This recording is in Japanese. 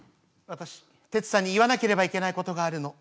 私テツさんに言わなければいけないことがあるの」。